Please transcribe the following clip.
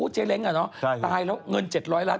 เจ๊เล้งอ่ะเนาะตายแล้วเงิน๗๐๐ล้าน